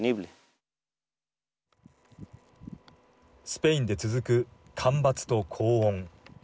スペインで続く干ばつと高温。